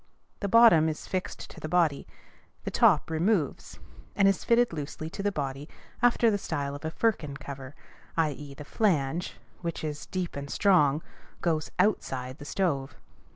The bottom is fixed to the body; the top removes, and is fitted loosely to the body after the style of a firkin cover, i.e., the flange, which is deep and strong, goes outside the stove.